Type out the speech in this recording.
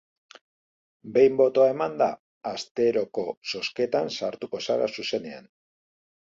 Behin botoa emanda, asteroko zozketan sartuko zara zuzenean.